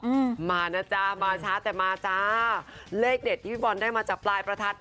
อืมมานะจ๊ะมาช้าแต่มาจ้าเลขเด็ดที่พี่บอลได้มาจากปลายประทัด